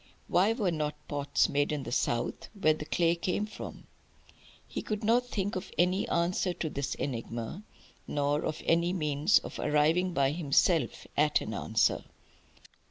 Why were not pots made in the South, where the clay came from? He could not think of any answer to this enigma, nor of any means of arriving by himself at an answer.